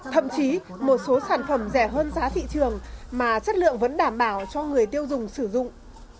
thậm chí một số sản phẩm rẻ hơn giá thị trường mà chất lượng vẫn đảm bảo cho người tiêu dùng sử dụng